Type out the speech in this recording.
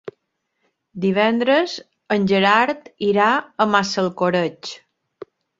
Divendres en Gerard irà a Massalcoreig.